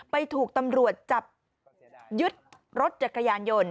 ถูกตำรวจจับยึดรถจักรยานยนต์